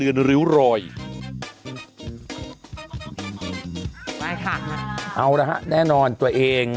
เอาล่ะฮะแน่นอนตัวเอง